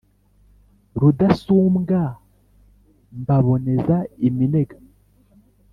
Rudasumbwa mbaboneza iminega